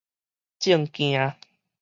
證件